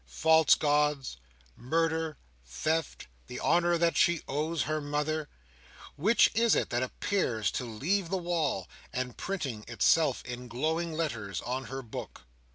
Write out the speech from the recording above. False Gods; murder; theft; the honour that she owes her mother;—which is it that appears to leave the wall, and printing itself in glowing letters, on her book!